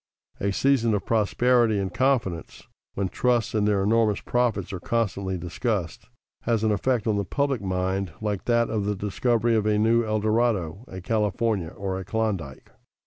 A season of prosperity and confidence, when trusts and their enormous profits are constantly discussed, has an effect on the public mind like that of the discovery of a new El Dorado, a California, or a Klondike.